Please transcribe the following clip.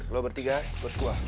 lu bertiga gua dua